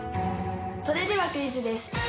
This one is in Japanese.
それではクイズです。